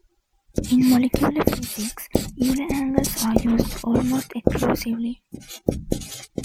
In molecular physics Euler angles are used almost exclusively.